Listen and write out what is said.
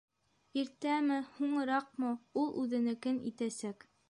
Иртәме, һуңыраҡмы, ул үҙенекен итәсәк.